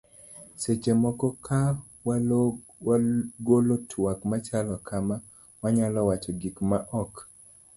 seche moko ka wagolo twak machalo kama, wanyalo wacho gik ma ok